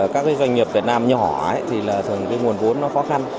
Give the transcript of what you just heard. các cái doanh nghiệp việt nam nhỏ thì là thường cái nguồn vốn nó khó khăn